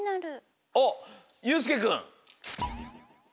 あっゆうすけくん。